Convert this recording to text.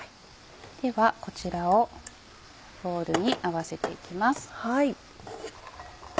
ではこちらをボウルに合わせていきます。